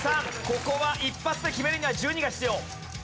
ここは一発で決めるには１２が必要。